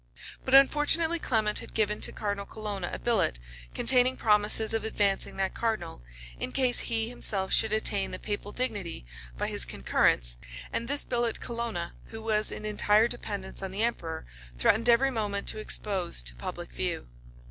But unfortunately Clement had given to Cardinal Colonna a billet, containing promises of advancing that cardinal, in case he himself should attain the papal dignity by his concurrence; and this billet Colonna, who was in entire dependence on the emperor, threatened every moment to expose to public view.